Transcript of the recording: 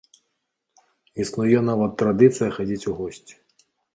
Існуе нават традыцыя хадзіць у госці.